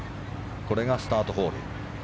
これがスタートホール。